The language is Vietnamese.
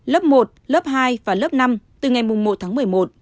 lớp một lớp hai và lớp năm từ ngày một tháng một mươi một